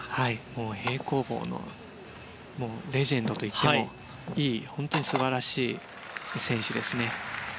平行棒のレジェンドといってもいい本当に素晴らしい選手ですね。